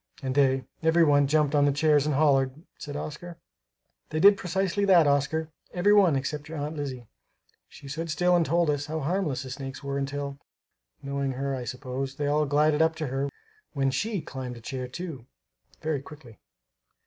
"And they, every one, jumped on the chairs and hollered," said Oscar. "They did precisely that, Oscar; every one except your Aunt Lizzie. She stood still and told us how harmless the snakes were until, knowing her I suppose, they all glided up to her when she climbed a chair, too, very quickly.